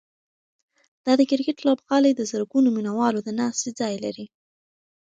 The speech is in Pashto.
دا د کرکټ لوبغالی د زرګونو مینه والو د ناستې ځای لري.